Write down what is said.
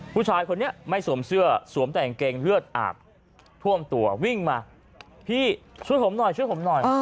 ผู้ชายคนนี้ไม่สวมเสื้อสวมแต่อังเกงเลือดอาบท่วมตัววิ่งมาพี่ช่วยผมหน่อยช่วยผมหน่อย